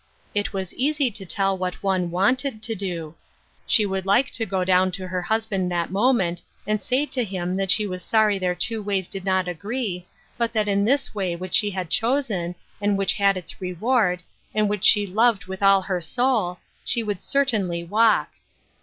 It was easy to tell what one wanted to do. She would like to go down to her husband that moment, and say to him that she was sorry their I98 ON THE MOUNT AND IN THE VALLEY. two ways did not agree, but that in this way which she had chosen, and which had its reward, and which she loved with all her soul, she should cer tainly walk.